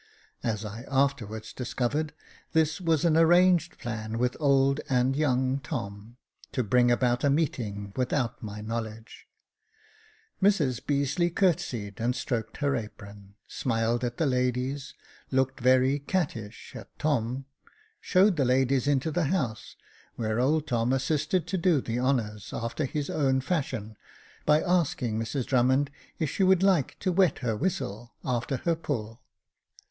As I afterwards discovered, this was an arranged plan with old and young Tom, to bring about a meeting without my knowledge. Mrs Beazeley courtesied and stroked her apron — smiled at the ladies, looked very cat tish at Tom, showed the ladies into the house, where old Tom assisted to do the honours after his own fashion, by asking Mrs Drummond if she would like to ivhet her nvhistle after her pull.